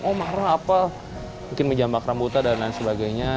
oh marah apa mungkin menjambak rambutan dan lain sebagainya